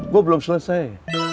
gue belum selesai